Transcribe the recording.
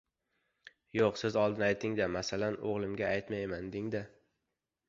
— Yo‘q, siz oldin ayting-da. Masalan, o‘g‘limga aytmayman, deng-da.